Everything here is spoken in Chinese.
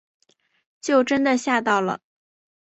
就真的吓到了